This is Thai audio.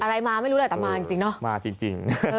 อะไรมาไม่รู้เลยแต่มาจริงเนอะมาจริง